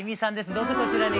どうぞこちらに。